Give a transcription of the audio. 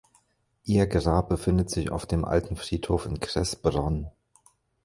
Ihr Grab befindet sich auf dem "Alten Friedhof" in Kressbronn.